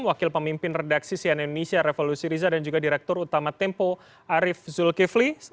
wakil pemimpin redaksi sian indonesia revolusi riza dan juga direktur utama tempo arief zulkifli